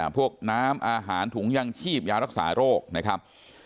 พวกน้ำอาหารถุงยังชีพยารักษาโรคนะครับ